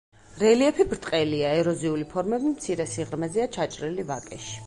რელიეფი ბრტყელია, ეროზიული ფორმები მცირე სიღრმეზეა ჩაჭრილი ვაკეში.